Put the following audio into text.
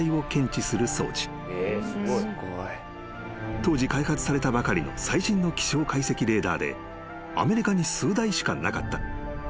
［当時開発されたばかりの最新の気象解析レーダーでアメリカに数台しかなかった］